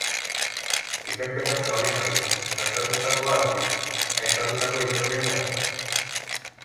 Ikerketak zabalik jarraitzen du, gertatutakoa argitzeko, aipatutako iturrien arabera.